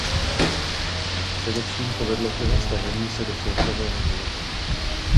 Především to vedlo k jeho stažení se do soukromého života.